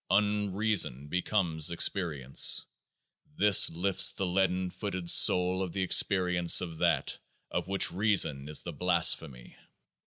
Unreason becomes Experience. This lifts the leaden footed soul to the Ex perience of THAT of which Reason is the blasphemy.